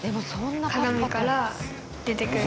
鏡から出てくる。